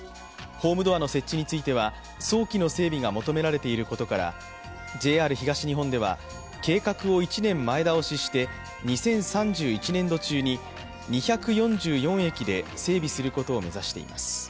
ホームドアの設置については、早期に整備が求められていることからＪＲ東日本では計画を１年前倒しして２０３１年度中に２４４駅で整備することを目指しています。